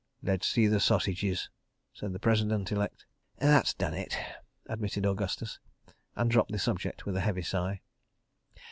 .." "Let's see the sausages," said the President elect. "That's done it," admitted Augustus, and dropped the subject with a heavy sigh.